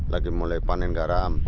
lagi mulai panen garam